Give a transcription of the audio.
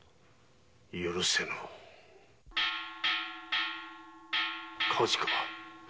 許せぬ・火事かな？